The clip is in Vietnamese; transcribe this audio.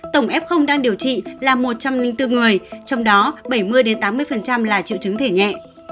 tổng f đang điều trị là một trăm linh bốn người trong đó bảy mươi tám mươi là triệu chứng thể nhẹ